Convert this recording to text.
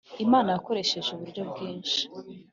Imana yakoresheje uburyo bwinshi